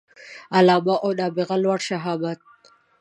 علامه او نابغه لوړ شهامت